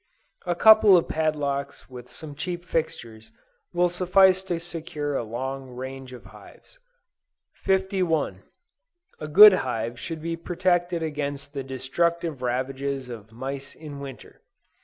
A couple of padlocks with some cheap fixtures, will suffice to secure a long range of hives. 51. A good hive should be protected against the destructive ravages of mice in winter.